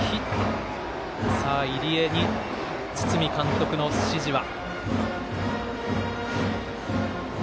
入江に堤監督の指示は。